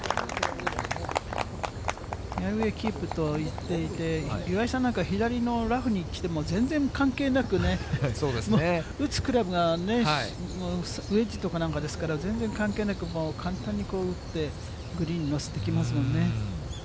フェアウエーキープといっていて、岩井さんなんか、左のラフに来ても、全然関係なくね、打つクラブがね、もうウェッジとかなんかですからね、全然関係なく、もう簡単に打って、グリーンに乗せてきますもんね。